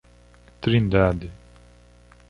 Trindade